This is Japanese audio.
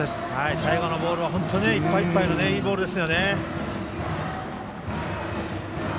最後のボールはいっぱいいっぱいのいいボールですよね。